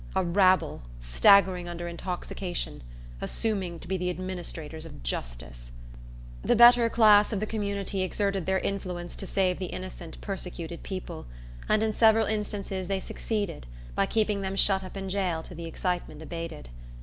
A rabble, staggering under intoxication, assuming to be the administrators of justice! The better class of the community exerted their influence to save the innocent, persecuted people; and in several instances they succeeded, by keeping them shut up in jail till the excitement abated.